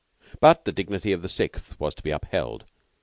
But the dignity of the Sixth was to be upheld.